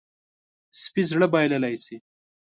سپي زړه بایللی شي.